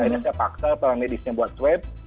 akhirnya saya paksa para medisnya buat swab